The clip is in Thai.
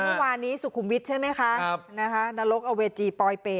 ทุกวันนี้สุขุมวิทย์ใช่ไหมคะครับนะคะนรกเอาเวจีปลอยเป็น